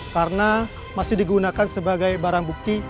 karena masih digunakan sebagai barang bukti